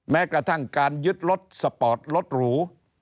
แม้กระทั่งการยึดรถสปอร์ตรถหรู